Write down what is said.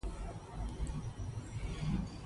اجمل خټک پخپله د مبارزې برخه و.